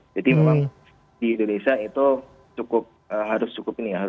jadi memang di indonesia itu cukup harus cukup ini ya